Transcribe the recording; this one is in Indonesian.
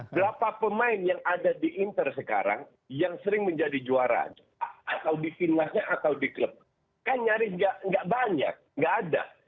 berapa pemain yang ada di inter sekarang yang sering menjadi juara atau di finalnya atau di klub kan nyaris nggak banyak nggak ada